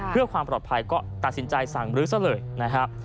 เพื่อความปลอดภัยก็ตัดสินใจสั่งฤทธิ์เสริมนะฮะ